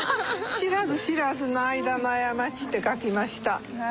「知らず知らずの間の過ち」って書きました。